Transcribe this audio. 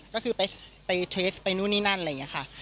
ก็คือไปเทรสไปนู่นนี่นั่นอะไรอย่างนี้ค่ะ